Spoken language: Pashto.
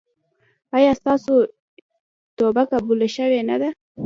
ایا ستاسو توبه قبوله شوې نه ده؟